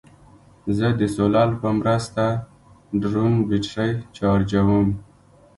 زه د سولر په مرسته ډرون بیټرۍ چارجوم.